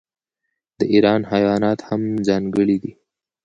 د ایران حیوانات هم ځانګړي دي.